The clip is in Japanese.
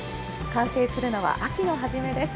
完成するのは秋の初めです。